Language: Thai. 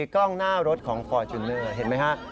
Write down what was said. กล้องหน้ารถของฟอร์จูเนอร์เห็นไหมฮะ